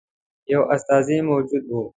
یو استازی موجود وو.